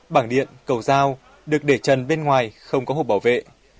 bảng điện cầu giao được để trần bên ngoài không có hộp bảo vệ